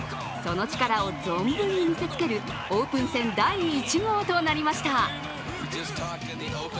その力を存分に見せつけるオープン戦第１号となりました。